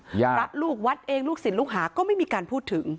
พระลูกวัดเองลูกศิษย์ลูกหาก็ไม่มีการพูดถึง